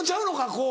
こう。